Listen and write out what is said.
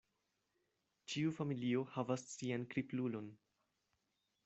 Ĉiu familio havas sian kriplulon.